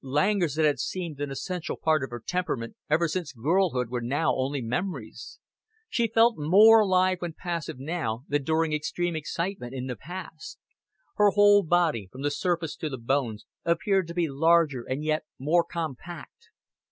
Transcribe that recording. Languors that had seemed an essential part of her temperament ever since girlhood were now only memories; she felt more alive when passive now than during extreme excitement in the past; her whole body, from the surface to the bones, appeared to be larger and yet more compact.